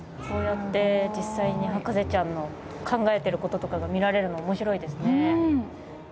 こうやって実際に博士ちゃんの考えてる事とかが見られるの面白いですね。